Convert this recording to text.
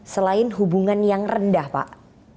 selain hubungan yang rendah pak